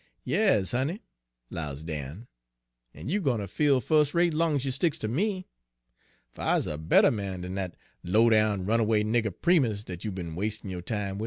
" 'Yas, honey,' 'lows Dan, 'en you gwine ter feel fus' rate long ez you sticks ter me. Fer I's a better man dan dat low down runaway nigger Primus dat you be'n wastin' yo' time wid.'